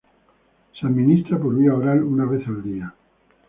Se administra por vía oral una vez al día.